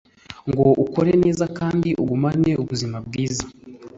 ngo ukore neza kandi ugumane ubuzima bwiza